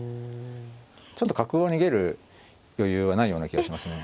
ちょっと角を逃げる余裕はないような気がしますね。